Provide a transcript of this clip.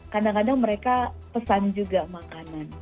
kadang kadang mereka pesan juga makanan